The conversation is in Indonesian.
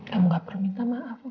kamu gak perlu minta maaf